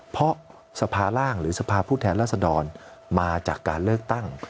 เพราะสภาร่างหรือสภาพผู้แทนรัศดรมาจากการเลือกตั้ง